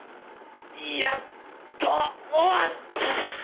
やっと終わった。